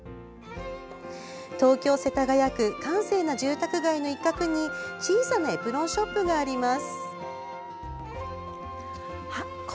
東京・世田谷区閑静な住宅街の一角に、小さなエプロンショップがあります。